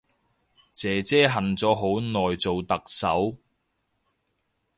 姐姐恨咗好耐做特首